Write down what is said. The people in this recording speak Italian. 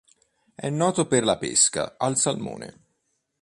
È noto per la pesca al salmone.